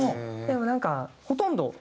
でもなんかほとんど。